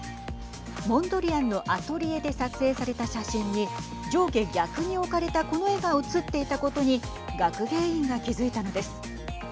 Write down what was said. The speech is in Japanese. モンドリアンのアトリエで撮影された写真に上下逆に置かれたこの絵が写っていたことに学芸員が気付いたのです。